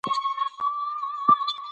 چي رګونو كي دي ځوانه وينه ګرځي